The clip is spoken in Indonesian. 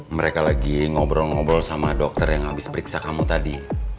mereka lagi ngobrol ngobrol sama dokter yang habis periksa kamu tadi